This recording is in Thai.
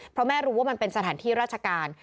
เพราะแม่รู้ว่ามันเป็นสถานที่ราชการ